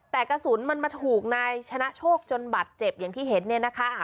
แต่กระสุนมันมาถูกนายชนะโชคจนบัตรเจ็บอย่างที่เห็นเนี่ยนะคะ